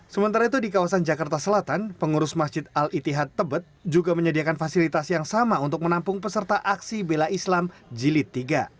sementara itu di kawasan jakarta selatan pengurus masjid al itihad tebet juga menyediakan fasilitas yang sama untuk menampung peserta aksi bela islam jilid tiga